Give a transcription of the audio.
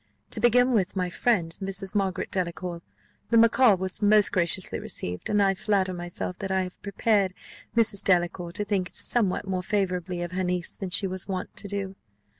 To begin with my friend, Mrs. Margaret Delacour: the macaw was most graciously received, and I flatter myself that I have prepared Mrs. Delacour to think somewhat more favourably of her niece than she was wont to do.